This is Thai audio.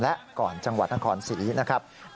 และก่อนจังหวัดนครศรีนะครับ